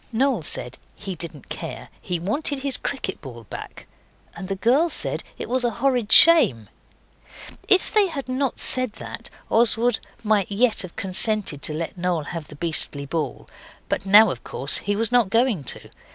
Noel said he didn't care. He wanted his cricket ball back. And the girls said it was a horrid shame. If they had not said that, Oswald might yet have consented to let Noel have the beastly ball, but now, of course, he was not going to.